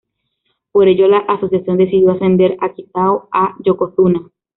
Por ello, la asociación decidió ascender a Kitao a "yokozuna".